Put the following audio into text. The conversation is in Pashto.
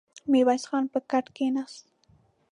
ميرويس خان پر کټ کېناست.